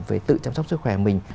với tự chăm sóc sức khỏe mình